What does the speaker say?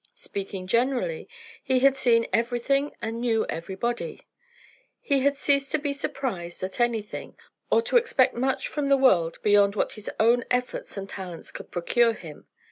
Speaking generally, he had seen everything, and knew everybody. He had ceased to be surprised at anything, or to expect much from the world beyond what his own efforts and talents could procure him.